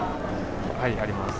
はい、あります。